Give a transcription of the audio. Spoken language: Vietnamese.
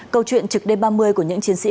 câu chuyện trực đêm ba mươi của những chiến sĩ